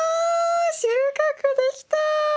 収穫できた！